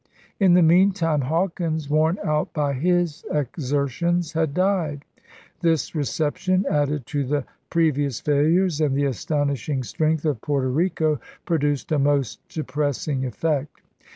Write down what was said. In the meantime Hawkins, worn out by his exer tions, had died. This reception, added to the pre vious failures and the astonishing strength of Porto Rico, produced a most depressing effect.